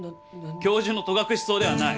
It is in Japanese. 教授の戸隠草ではない！